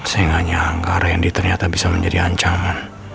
saya nggak nyangka randy ternyata bisa menjadi ancaman